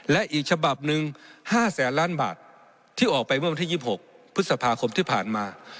และอีกฉบับหนึ่ง๕แสนล้านบาทที่ออกไปเมื่อวันที่๒๖พฤษภาคมที่ผ่านมา